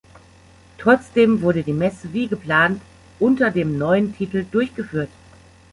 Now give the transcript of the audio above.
Trotzdem wurde die Messe wie geplant unter dem neuen Titel durchgeführt.